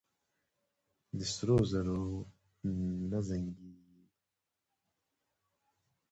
د سرو زرو نه زنګېږي.